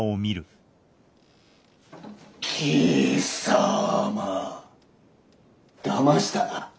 貴様だましたな。